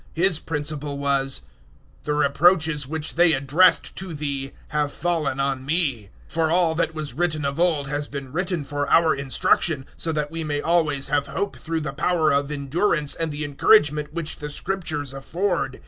His principle was, "The reproaches which they addressed to Thee have fallen on me." 015:004 For all that was written of old has been written for our instruction, so that we may always have hope through the power of endurance and the encouragement which the Scriptures afford.